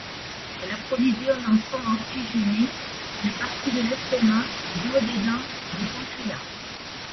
Elle approvisionne en sang oxygéné une partie de l'estomac, du duodénum et du pancréas.